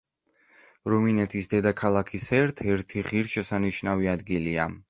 რუმინეთის დედაქალაქის ერთ-ერთი ღირსშესანიშნავი ადგილი.